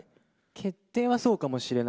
決定はそうかもしれない。